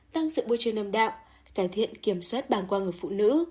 tăng sự bôi trường âm đạm cải thiện kiểm soát bàng quang ở phụ nữ